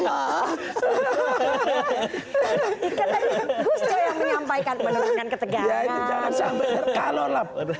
itu tadi gucoy yang menyampaikan menurunkan ketegangan